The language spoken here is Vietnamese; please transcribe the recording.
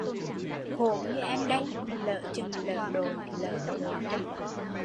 Khổ như em đây, lỡ chừng lỡ đôi, lỡ hội chồng con